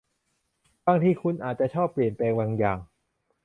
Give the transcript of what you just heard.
บางทีคุณอาจจะชอบเปลี่ยนแปลงบางอย่าง